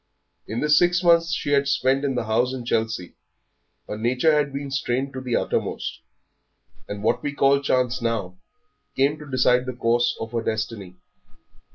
In the six months she had spent in the house in Chelsea her nature had been strained to the uttermost, and what we call chance now came to decide the course of her destiny.